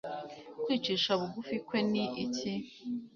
kwicisha bugufi kwe ni iki